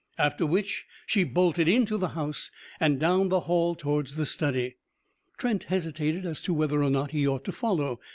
After which she bolted into the house and down the hall towards the study. Trent hesitated as to whether or not he ought to follow.